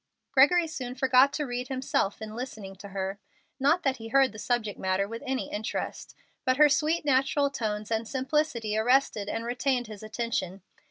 Gregory soon forgot to read himself in listening to her. Not that he heard the subject matter with any interest, but her sweet, natural tones and simplicity arrested and retained his attention.